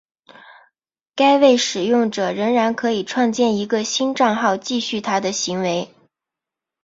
该位使用者仍然可以创建一个新帐号继续他的行为。